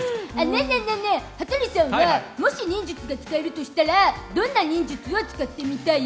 ねえねえ羽鳥さんはもし忍術が使えるとしたらどんな忍術を使ってみたい？